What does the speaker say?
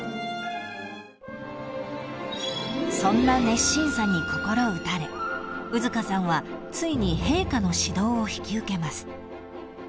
［そんな熱心さに心打たれ兎束さんはついに陛下の指導を引き受けます］